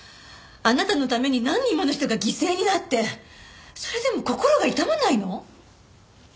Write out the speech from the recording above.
あなたのために何人もの人が犠牲になってそれでも心が痛まないの？